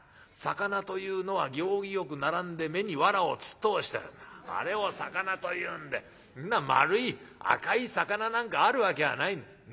魚というのは行儀よく並んで目にわらをつっ通したようなあれを魚というんで丸い赤い魚なんかあるわきゃないんだ。